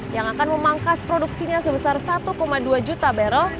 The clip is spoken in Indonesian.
yang akan memangkas produksinya sebesar satu dua juta barrel